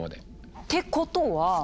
ってことは。